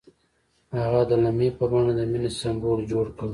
هغه د لمحه په بڼه د مینې سمبول جوړ کړ.